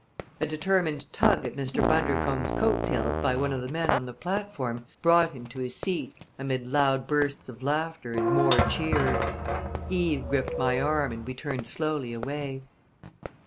A determined tug at Mr. Bundercombe's coattails by one of the men on the platform brought him to his seat amid loud bursts of laughter and more cheers. Eve gripped my arm and we turned slowly away.